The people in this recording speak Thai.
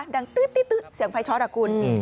ดังตื๊ดเสียงไฟช็อตอากุล